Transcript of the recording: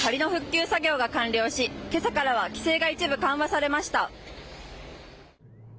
道路が崩落していた箇所の仮の復旧作業が完了しけさからは規制が一部緩和されました。